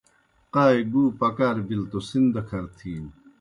قائے گُو پکار بِلوْ توْ سن دہ کھرہ تِھینوْ